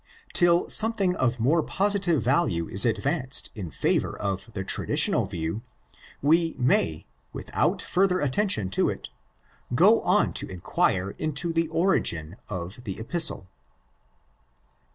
Till something of more positive value is advanced in favour of the traditional view, we may, without further attention to it, goon to inquire into the origin of the Epistle.